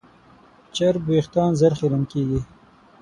چرب وېښتيان ژر خیرن کېږي.